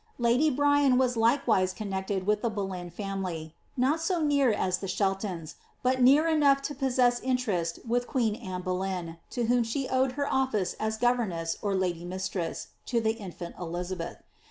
Lady Bryan was likewise connected with the Boleyn family — not so near as the Sheltons, but near enough to possess interest with queen Anne Boleyn, to whom she owed her office as governess or lady mistress, to the infant Elizabeth.